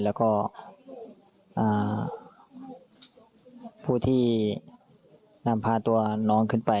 แล้วก็ผู้ที่นำพาตัวน้องขึ้นไป